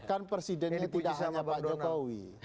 kan presidennya tidak hanya pak jokowi